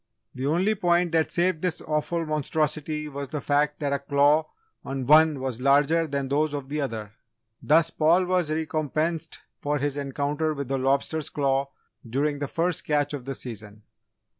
The only point that saved this awful monstrosity was the fact that a claw on one was larger than those of the other! Thus, Paul was recompensed for his encounter with a lobster's claw during the first "catch" of the season.